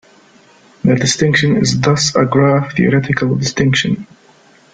The distinction is thus a graph-theoretical distinction.